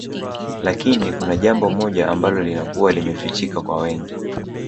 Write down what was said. Lakini kuna jambo moja ambalo linakuwa limefichika kwa wengi